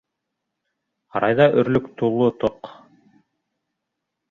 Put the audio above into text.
Һарайҙа өрлөк тулы тоҡ.